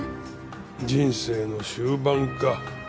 人生の終盤か。